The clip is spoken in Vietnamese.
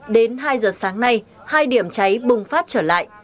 đến hai giờ sáng nay hai điểm cháy bùng phát trở lại